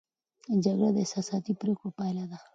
جګړه د احساساتي پرېکړو پایله ده.